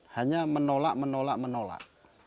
hanya menolak menolak menolak